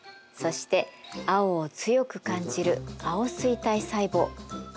そして青を強く感じる青錐体細胞。